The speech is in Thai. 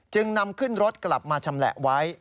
จึงนำขึ้นรถกลับมาชำแหละไว้